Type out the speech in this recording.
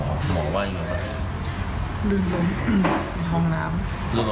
หาสาเหตุไม่เจอแล้วแล้วจากที่หัวใจอะไร